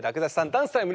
ダンスタイム！